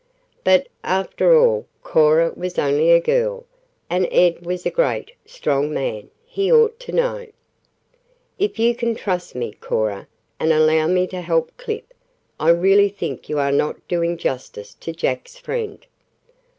But, after all, Cora was only a girl, and Ed was a great, strong man he ought to know. "If you cannot trust me, Cora, and allow me to help Clip, I really think you are not doing justice to Jack's friend."